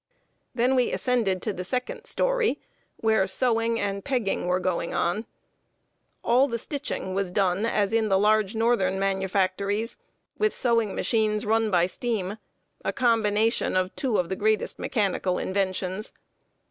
Then we ascended to the second story, where sewing and pegging were going on. All the stitching was done as in the large northern manufactories, with sewing machines run by steam a combination of two of the greatest mechanical inventions.